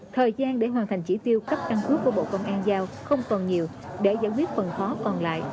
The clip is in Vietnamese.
thời gian để hoàn thành chỉ tiêu cấp căn cước của bộ công an giao không còn nhiều để giải quyết phần khó còn lại